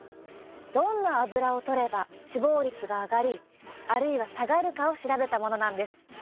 どんなアブラをとれば死亡率が上がりあるいは下がるかを調べたものなんです。